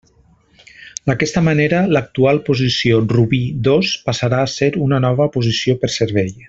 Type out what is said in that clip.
D'aquesta manera, l'actual posició Rubí dos passarà a ser una nova posició per servei.